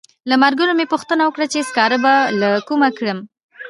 له ملګرو مې پوښتنه وکړه چې سکاره به له کومه کړم.